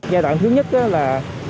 giai đoạn thứ nhất là